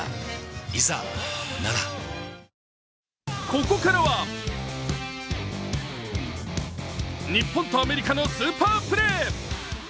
ここからは日本とアメリカのスーパープレー。